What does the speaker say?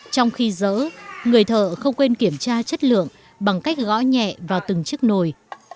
trong khi dỡ người thợ không quên kiểm tra chất lượng bằng cách gõ nhẹ vào từng chiếc nồi